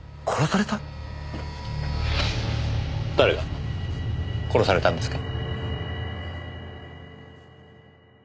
誰が殺されたんですか？